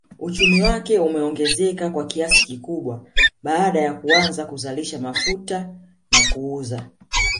Uchumi wake umeongezeka kwa kiasi kikubwa baada ya kuanza kuzalisha mafuta na kuuza